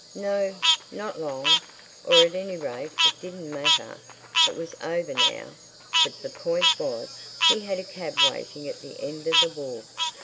No; not long. Or, at any rate, it didn't matter. It was over now. But the point was, he had a cab waiting at the end of the wharf.